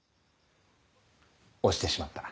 押してしまった。